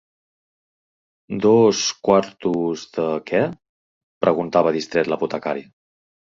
-Dos… quartos… de… què…?- preguntava distret l'apotecari.